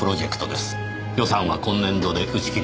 予算は今年度で打ち切り。